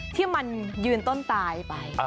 ที่มันยืนต้นตายไป